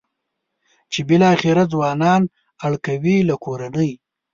چې بالاخره ځوانان اړ کوي له کورنۍ.